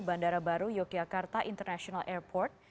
bandara baru yogyakarta international airport